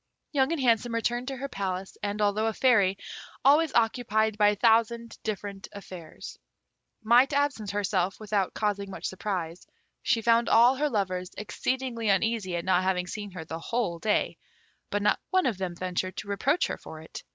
Young and Handsome returned to her palace, and, although a Fairy, always occupied by a thousand different affairs, might absent herself without causing much surprise, she found all her lovers exceedingly uneasy at not having seen her the whole day, but not one of them ventured to reproach her for it.